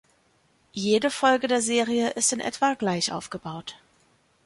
Jede Folge der Serie ist in etwa gleich aufgebaut.